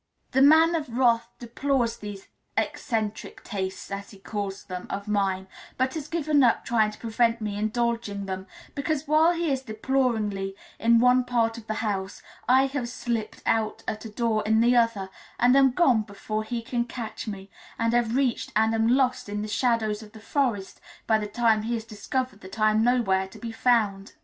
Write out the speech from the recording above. The Man of Wrath deplores these eccentric tastes, as he calls them, of mine; but has given up trying to prevent my indulging them because, while he is deploring in one part of the house, I have slipped out at a door in the other, and am gone before he can catch me, and have reached and am lost in the shadows of the forest by the time he has discovered that I am nowhere to be found.